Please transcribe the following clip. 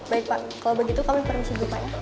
baik pak kalau begitu kami permisi dulu pak ya